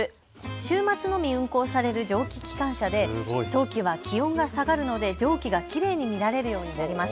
週末のみ運行される蒸気機関車で冬季は気温が下がるので蒸気がきれいに見られるようになります。